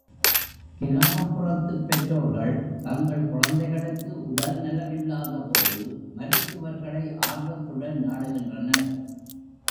கிராமப்புறத்துப் பெற்றோர்கள் தங்கள் குழந்தைகளுக்கு உடல்நலமில்லாதபோது, மருத்துவர்களை ஆர்வத்துடன் நாடுகின்றனர்.